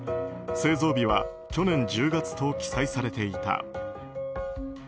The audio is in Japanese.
製造日は去年１０月と記載されていた。